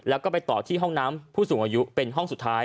แล้วก็ไปต่อที่ห้องน้ำผู้สูงอายุเป็นห้องสุดท้าย